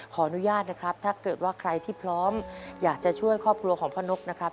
ขออนุญาตนะครับถ้าเกิดว่าใครที่พร้อมอยากจะช่วยครอบครัวของพ่อนกนะครับ